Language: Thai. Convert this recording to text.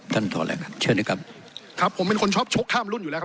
ถอนแรงครับเชิญนะครับครับผมเป็นคนชอบชกข้ามรุ่นอยู่แล้วครับ